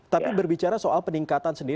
tapi berbicara soal peningkatan sendiri